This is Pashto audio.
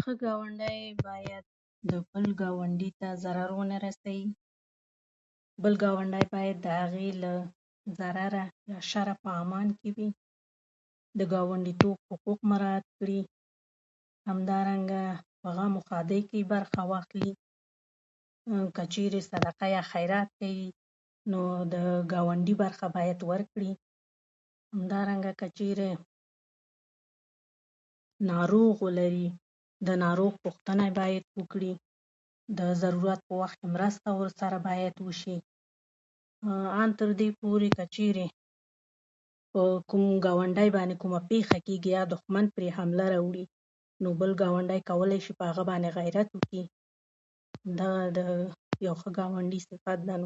ښه ګاونډی بايد بل ګاونډي ته ضرر ونه رسي. بل ګاونډی بايد د هغه له ضرر شره په امن کې وي. د ګاونډيتوب حقوق بايد مراعت کړي. همدارنګه په غم او ښادۍ کې برخه واخلي. که چېرې صدقه يا خيرات وي، نو د ګاونډي برخه بايد ورکړي. همدارنګه که چېرې ناروغ ولري، د ناروغ پوښتنه بايد وکړي. د ضرورت په وخت کې مرسته ورسره بايد وشي. آن تر دې پورې که چېرې په کوم ګاونډي باندي کومه پېښه کيږي يا دښمن پرې حمله راوري ، بل ګاونډی کولی شي په هغه باندي او غيرت وکړي. دا د يو ښه ګاونډي صفت دي.